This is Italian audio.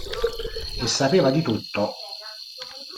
E sapeva di tutto.